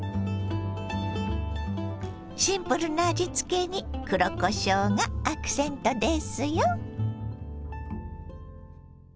シンプルな味つけに黒こしょうがアクセントですよ。